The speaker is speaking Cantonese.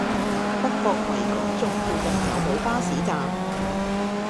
北角維港頌附近有無巴士站？